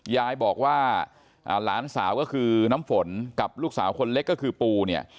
ยายบอกว่าหลานสาวก็คือน้ำฝนกับลูกสาวคนเล็กก็คือปูเนี่ย